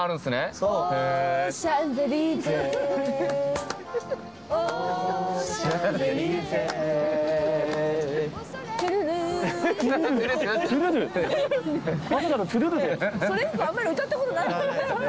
それ以降あんまり歌ったことないもんね。